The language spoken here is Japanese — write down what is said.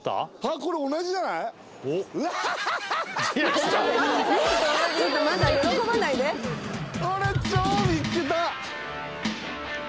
これ超見っけた！